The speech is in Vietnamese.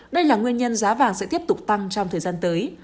đây là nguyên nhân giá vàng sẽ tiếp tục tăng trong thời gian tới